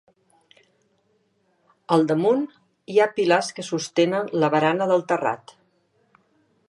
Al damunt hi ha pilars que sostenen la barana del terrat.